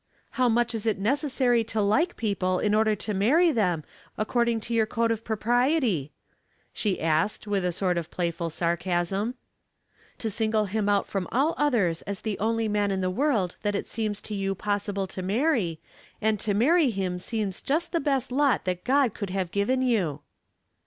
"How much is it necessary to like people In order to marry them, according to your code of propriety ?" she asked, with a sort of playful sarcasm, " To single him out from all others as the only man in the world that it seems to you possible to marry, and to marry him seems just the best lot that God could have given you."